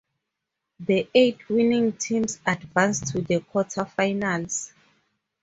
The eight winning teams advance to the quarterfinals.